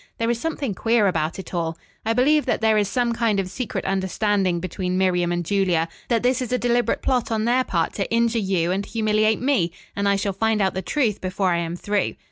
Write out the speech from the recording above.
There is something queer about it all. I believe that there is some kind of secret understanding between Miriam and Julia; that this is a deliberate plot on their part to injure you and humiliate me, and I shall find out the truth before I am through."